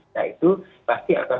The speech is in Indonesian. nah itu pasti akan